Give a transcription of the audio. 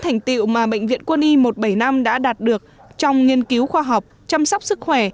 thành tiệu mà bệnh viện quân y một trăm bảy mươi năm đã đạt được trong nghiên cứu khoa học chăm sóc sức khỏe